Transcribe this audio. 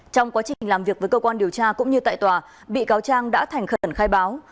trong quá trình làm việc với cơ quan điều tra cũng như tại tòa bị cáo trang đã thành khẩn khai báo